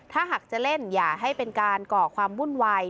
ถ้าหากจะเล่นอย่าให้เป็นการก่อความวุ่นวาย